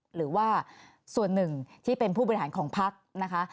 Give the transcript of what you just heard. หรือว่าส่วนหนึ่งที่เป็นผู้บริหารของพักนะคะ